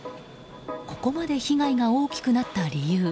ここまで被害が大きくなった理由。